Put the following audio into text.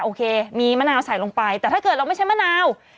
โอเคมีมะนาวใส่ลงไปแต่ถ้าเกิดเราไม่ใช่มะนาว